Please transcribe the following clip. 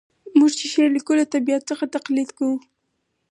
موږ چي شعر لیکو له طبیعت څخه تقلید کوو.